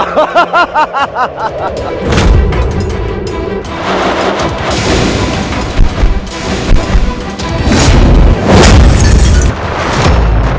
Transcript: siapa itu waktu mengobstadinya hanya kepada tangi